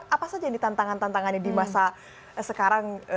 apa saja ini tantangan tantangannya di masa sekarang